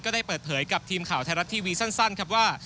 ได้เปิดเผยกับทีมข่าวไทยรัฐทีวีสั้นครับว่า